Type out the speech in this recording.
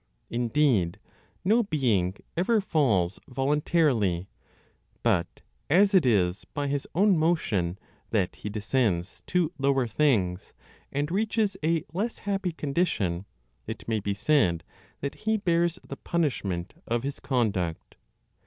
Indeed, no being ever falls voluntarily; but as it is by his own motion that he descends to lower things, and reaches a less happy condition, it may be said that he bears the punishment of his conduct.